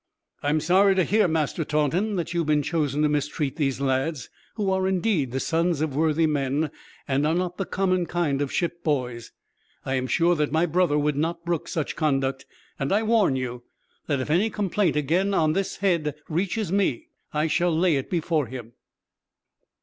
"I am sorry to hear, Master Taunton, that you have chosen to mistreat these lads; who are, indeed, the sons of worthy men, and are not the common kind of ship boys. I am sure that my brother would not brook such conduct, and I warn you that, if any complaint again on this head reaches me, I shall lay it before him."